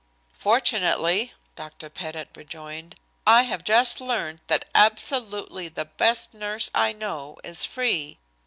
"Fortunately," Dr. Pettit rejoined, "I have just learned that absolutely the best nurse I know is free.